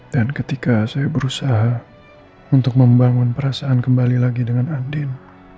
dan ketika saya berusaha untuk membangun perasaan kembali lagi dengan andin